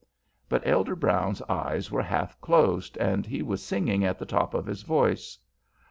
But Elder Brown's eyes were half closed, and he was singing at the top of his voice.